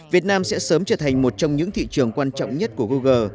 việt nam sẽ sớm trở thành một trong những thị trường quan trọng nhất của google